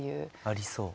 ありそう。